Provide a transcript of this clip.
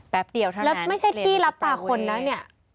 เดียวเท่านั้นแล้วไม่ใช่ที่รับตาคนนะเนี่ย